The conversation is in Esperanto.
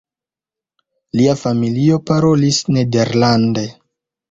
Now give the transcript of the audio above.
Lia familio parolis nederlande.